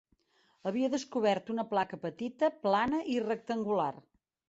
Havia descobert una placa petita, plana i rectangular.